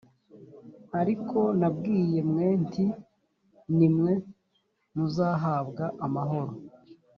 ariko nabwiye mwe nti ni mwe muzahabwa amahoro